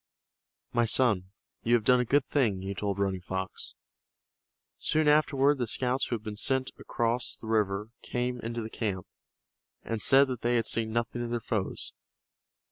"My son, you have done a good thing," he told Running Fox. Soon afterward the scouts who had been sent across the river came into the camp, and said that they had seen nothing of their foes.